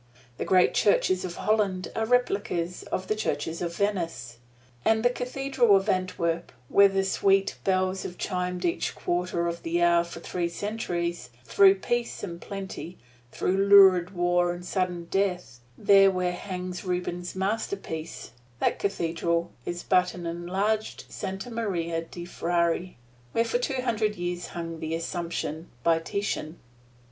The great churches of Holland are replicas of the churches of Venice. And the Cathedral at Antwerp, where the sweet bells have chimed each quarter of an hour for three centuries, through peace and plenty, through lurid war and sudden death there where hangs Rubens' masterpiece that Cathedral is but an enlarged "Santa Maria de' Frari," where for two hundred years hung "The Assumption," by Titian.